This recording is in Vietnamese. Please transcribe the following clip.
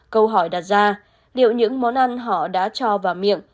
câu hỏi đặt ra liệu những món ăn họ đã cho vào miệng